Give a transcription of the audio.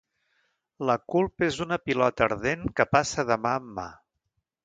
La culpa és una pilota ardent que passa de mà en mà.